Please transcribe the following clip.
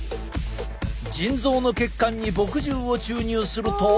腎臓の血管に墨汁を注入すると。